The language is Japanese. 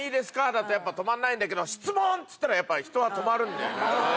だとやっぱ止まんないんだけど「質問！」っつったらやっぱ人は止まるんだよ。